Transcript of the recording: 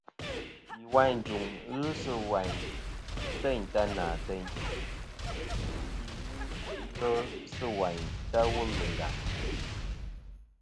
Lìwàyn ɨ jùŋ nɨ̀n ghɨ kɨ ighel sɨ̂ wàyn ta nà àteyn, fî ghɨ ighel sɨ̂ wayn ta wul ɨ ngàŋ.